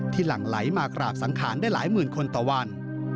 หลั่งไหลมากราบสังขารได้หลายหมื่นคนต่อวัน